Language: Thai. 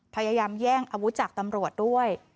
พยายามแย่งอาวุธจากตำรวจด้วย